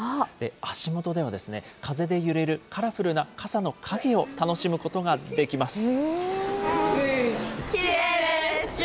足元では、風で揺れるカラフルな傘の影を楽しむことができます。